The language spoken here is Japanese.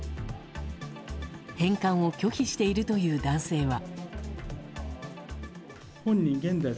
返還を拒否しているという男性は。